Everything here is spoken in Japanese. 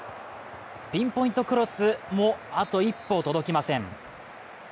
ピンポイントクロスもあと一歩届きません。